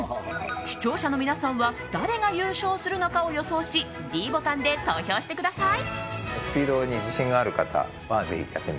視聴者の皆さんは誰が優勝するのかを予想しｄボタンで投票してください。